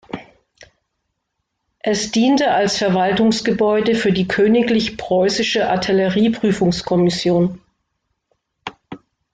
Es diente als Verwaltungsgebäude für die Königlich Preußische Artillerieprüfungskommission.